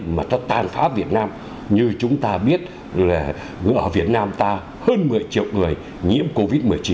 mà nó tàn phá việt nam như chúng ta biết là ở việt nam ta hơn một mươi triệu người nhiễm covid một mươi chín